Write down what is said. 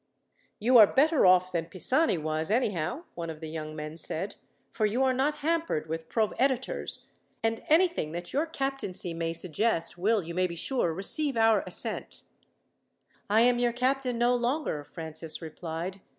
"You are better off than Pisani was, anyhow," one of the young men said, "for you are not hampered with proveditors, and anything that your captaincy may suggest will, you may be sure, receive our assent." "I am your captain no longer," Francis replied.